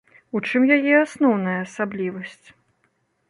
У чым яе асноўная асаблівасць?